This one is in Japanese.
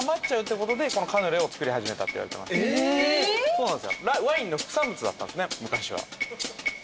そうなんですよ。